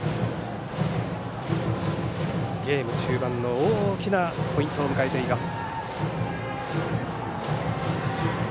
ゲーム中盤の大きなポイントを迎えています。